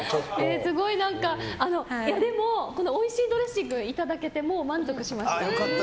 でも、おいしいドレッシングいただけてもう満足しました。